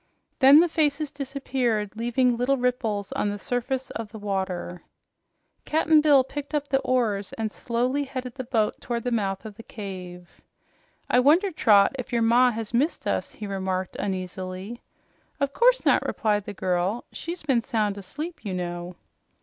Then the faces disappeared, leaving little ripples on the surface of the water. Cap'n Bill picked up the oars and slowly headed the boat toward the mouth of the cave. "I wonder, Trot, if your ma has missed us," he remarked uneasily. "Of course not," replied the girl. "She's been sound asleep, you know."